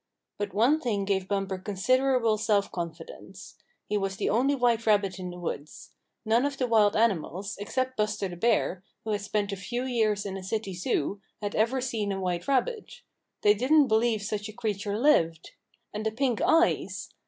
But one thing gave Bumper considerable self confidence. He was the only white rabbit in the woods. None of the wild animals, except Buster the Bear, who had spent a few years in a city Zoo, had ever seen a white rabbit. They didn't believe such a creature lived. And the pink eyes